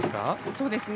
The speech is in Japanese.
そうですね。